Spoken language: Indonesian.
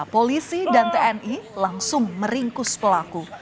polisi dan tni langsung meringkus pelaku